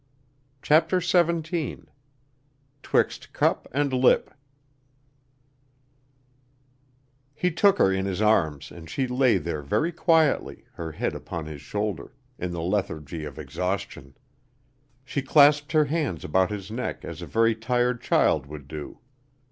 CHAPTER XVII 'Twixt Cup and Lip He took her in his arms and she lay there very quietly, her head upon his shoulder, in the lethargy of exhaustion. She clasped her hands about his neck as a very tired child would do.